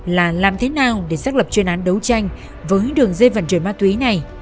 là làm thế nào để xác lập chuyên án đấu tranh với đường dây vận chuyển ma túy này